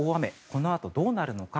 このあとどうなるのか。